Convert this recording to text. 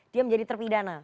dia menjadi terpidana